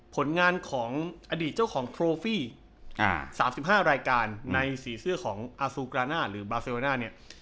ผลงานของอดีตเจ้าของโทรฟี่๓๕รายการในสีเสื้อของอาซูกราน่าหรือบาเซโรน่าเนี่ย